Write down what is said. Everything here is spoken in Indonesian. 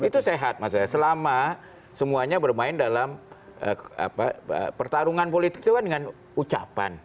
itu sehat maksud saya selama semuanya bermain dalam pertarungan politik itu kan dengan ucapan